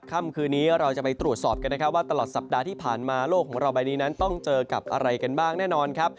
ค่ำคืนนี้เราจะไปตรวจสอบกันนะครับว่าตลอดสัปดาห์ที่ผ่านมาโลกของเราใบนี้นั้นต้องเจอกับอะไรกันบ้างแน่นอนครับ